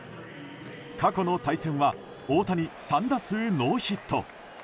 過去の対戦は大谷、３打数ノーヒット。